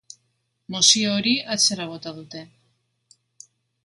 Mozio hori atzera bota dute.